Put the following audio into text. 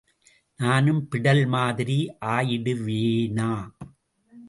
நானும், பிடல் மாதிரி ஆயிடுவேனா.